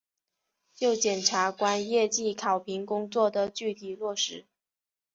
就检察官业绩考评工作的具体落实